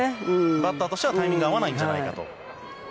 バッターとしてはタイミングが合わないんじゃないかと。